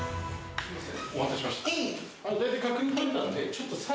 すいません。